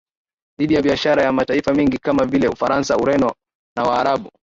dhidi ya biashara ya mataifa mengine kama vile Ufaransa Ureno na Waarabu